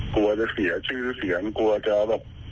กลัวจะเสียชื่อเสียงกลัวจะแบบ